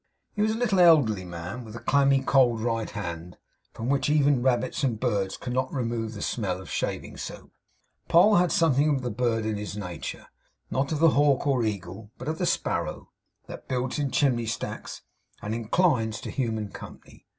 He was a little elderly man, with a clammy cold right hand, from which even rabbits and birds could not remove the smell of shaving soap. Poll had something of the bird in his nature; not of the hawk or eagle, but of the sparrow, that builds in chimney stacks and inclines to human company.